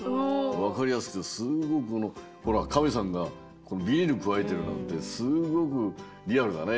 わかりやすくてすごくこのほらかめさんがビニールくわえてるなんてすごくリアルだね。